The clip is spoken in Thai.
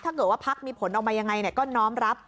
ถ้าเกิดว่าพักมีผลออกมายังไงก็น้อมรับ